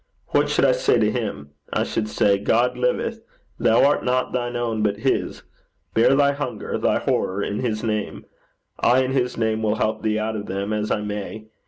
What should I say to him? I should say: "God liveth: thou art not thine own but his. Bear thy hunger, thy horror in his name. I in his name will help thee out of them, as I may.